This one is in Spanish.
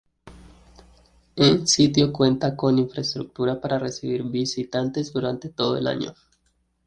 En sitio cuenta con infraestructura para recibir visitantes durante todo el año.